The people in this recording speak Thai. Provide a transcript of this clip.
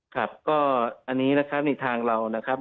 ครับก็อันนี้นะครับในทางเรานะครับ